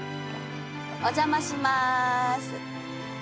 お邪魔します。